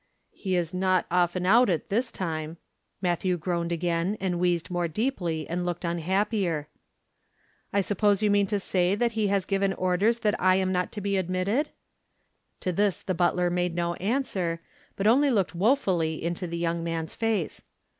"He is not often out at this time." Matthew groaned again, and wheezed more deeply, and looked unhappier. "I suppose you mean to say that he has given orders that I am not to be admitted?" To this the butler made no answer, but only looked woefully into the young man's face.